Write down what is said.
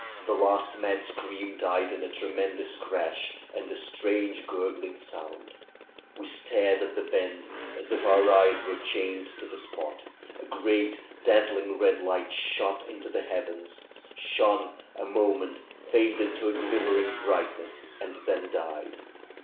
The last mad scream died in a tremendous crash and a strange gurgling sound. We stared at the bend as if our eyes were chained to the spot. A great, dazzling red light shot into the heavens, shone a mo THE BEND OF THE HILL 167 ment, faded to a glimmering brightness, and then died.